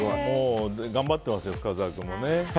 頑張ってますよ、深澤君もね。